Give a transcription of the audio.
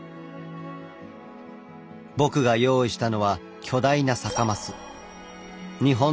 僕が用意したのは巨大な酒ます。